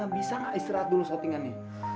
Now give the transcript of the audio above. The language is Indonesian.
bisa gak istirahat dulu syutingannya